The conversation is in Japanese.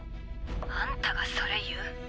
あんたがそれ言う？